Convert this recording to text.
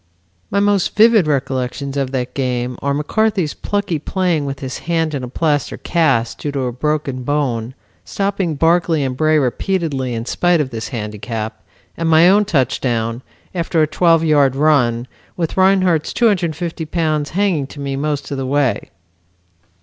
"My most vivid recollections of that game are McCarthy's plucky playing with his hand in a plaster cast, due to a broken bone, stopping Barclay and Bray repeatedly in spite of this handicap, and my own touchdown, after a twelve yard run, with Rinehart's 250 pounds hanging to me most of the way."